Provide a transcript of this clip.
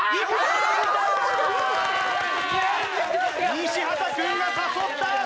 西畑くんが誘った！